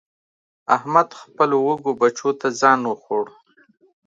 احمد خپلو وږو بچو ته ځان وخوړ.